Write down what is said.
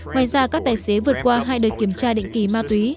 ngoài ra các tài xế vượt qua hai đời kiểm tra định kỳ ma túy